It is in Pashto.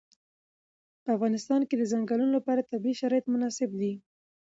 په افغانستان کې د چنګلونه لپاره طبیعي شرایط مناسب دي.